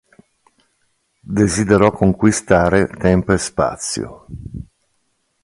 Desiderò conquistare tempo e spazio.